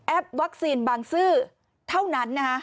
แอปวัคซีนบังซื้อเท่านั้นนะฮะ